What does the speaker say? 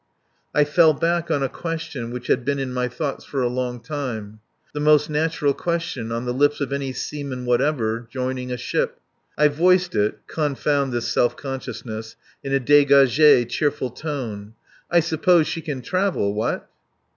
I fell back on a question which had been in my thoughts for a long time the most natural question on the lips of any seaman whatever joining a ship. I voiced it (confound this self consciousness) in a degaged cheerful tone: "I suppose she can travel what?"